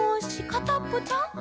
かたっぽちゃん？」